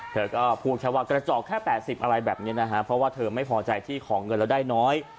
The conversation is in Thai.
เธอก็พูดแค่ว่ากระจอกแค่๘๐อะไรแบบนี้นะฮะเพราะว่าเธอไม่พอใจที่ขอเงินแล้วได้น้อย